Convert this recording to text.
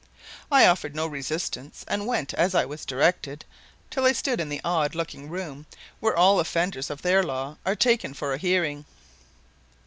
I offered no resistance and went, as I was directed, till I stood in the odd looking room where all offenders of their law are taken for a hearing.